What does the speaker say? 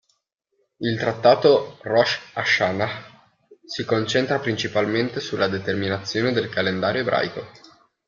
Il trattato "Rosh Hashanah" si concentra principalmente sulla determinazione del calendario ebraico.